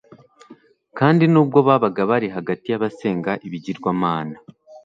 kandi nubwo babaga bari hagati yabasenga ibigirwamana